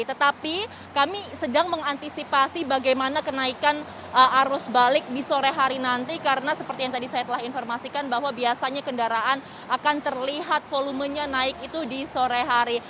tetapi kami sedang mengantisipasi bagaimana kenaikan arus balik di sore hari nanti karena seperti yang tadi saya telah informasikan bahwa biasanya kendaraan akan terlihat volumenya naik itu di sore hari